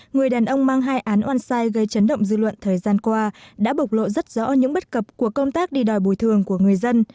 người đàn ông mang hai án oan sai gây chấn động dư luận thời gian qua đã bộc lộ rất rõ những bất cập của công tác đi đòi bồi thường của người dân